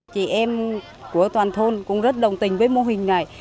chị em của toàn thôn cũng rất đồng tình với mô hình này